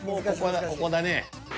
ここだね。